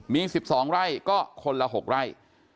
มี๑๒ไร่ก็คนละ๖ไร่